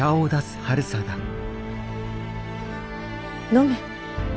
飲め。